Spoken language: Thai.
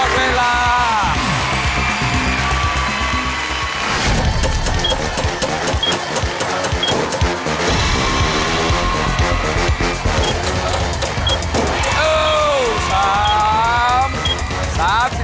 บอกเวลา